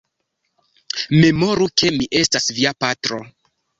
Memoru, ke mi estas via patro!